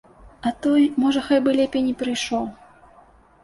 А той, можа, хай бы лепей і не прыйшоў.